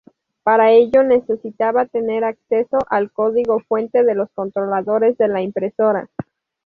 Para ello necesitaba tener acceso al código fuente de los controladores de la impresora.